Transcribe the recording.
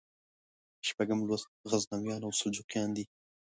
شپږم لوست غزنویان او سلجوقیان دي.